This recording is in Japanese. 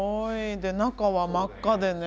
で中は真っ赤でね。